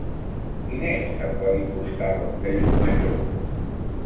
Quin és el codi postal de Llucmajor?